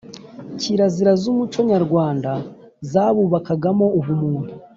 kirazira z’umuco nyarwanda zabubakagamo ubumuntu